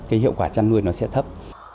cái hiệu quả chăn nuôi nó sẽ thấp